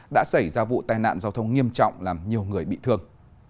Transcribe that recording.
đã xảy ra vụ tai nạn giao thông nghiêm trọng làm nhiều người bị thương